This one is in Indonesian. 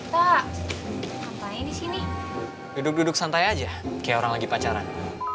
pak ngapain di sini duduk duduk santai aja kayak orang lagi pacaran